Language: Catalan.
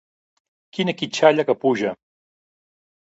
Quina quitxalla que puja!